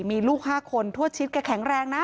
มีลูก๕คนทั่วชีวิตแกแข็งแรงนะ